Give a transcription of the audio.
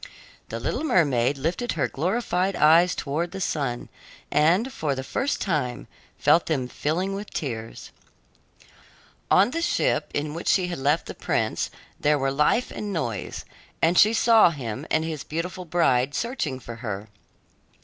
The little mermaid lifted her glorified eyes toward the sun and, for the first time, felt them filling with tears. On the ship in which she had left the prince there were life and noise, and she saw him and his beautiful bride searching for her.